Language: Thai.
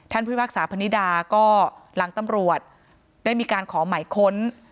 พิพากษาพนิดาก็หลังตำรวจได้มีการขอหมายค้น